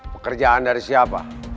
pekerjaan dari siapa